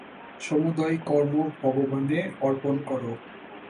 সমুদয় কর্ম ভগবানে অর্পণ কর।